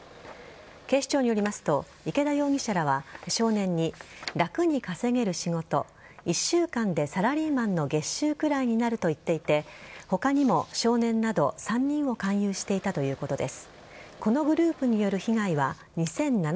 警視庁によりますと池田容疑者らは少年に、楽に稼げる仕事１週間で、サラリーマンの月収くらいになると言っていて他にも少年など３人を勧誘していたということです。